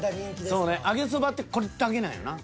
そうね揚げそばってこれだけなんよな。